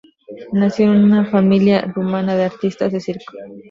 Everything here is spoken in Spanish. Nació en una familia rumana de artistas de circo.